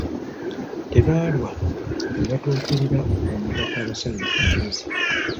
Tebaalwa ne batuukirira omutaka abasalire ku magezi.